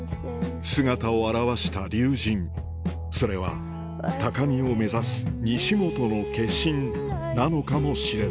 姿を現した龍神それは高みを目指す西元の化身なのかもしれない